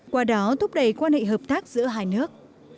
qua đó thúc đẩy quan hệ hợp tác giữa hai nước